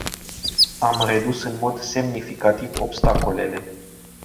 Am redus în mod semnificativ obstacolele.